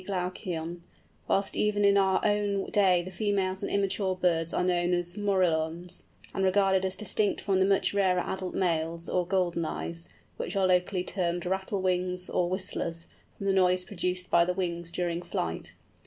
glaucion_; whilst even in our own day the females and immature birds are known as "Morillons," and regarded as distinct from the much rarer adult males or "Golden Eyes," which are locally termed "Rattle wings" or "Whistlers" from the noise produced by the wings during flight.